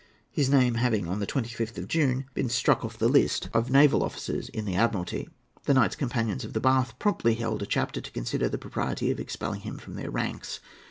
His name having, on the 25th of June, been struck off the list of naval officers in the Admiralty, the Knights Companions of the Bath promptly held a chapter to consider the propriety of expelling him from their ranks.